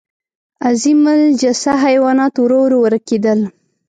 عظیم الجثه حیوانات ورو ورو ورکېدل.